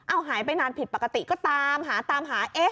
เอาหายไปนานผิดปกติก็ตามหาตามหา